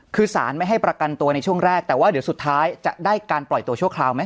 คือสารไม่ให้ประกันตัวในช่วงแรกแต่ว่าเดี๋ยวสุดท้ายจะได้การปล่อยตัวชั่วคราวไหม